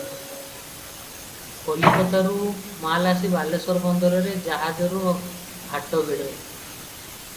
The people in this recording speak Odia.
କଲିକତାରୁ ମାଲ ଆସି ବାଲେଶ୍ୱର ବନ୍ଦରରେ ଜାହାଜରୁ ଘାଟ ଭିଡେ ।